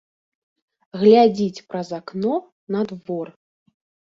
Глядзіць праз акно на двор.